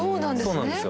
そうなんですよ。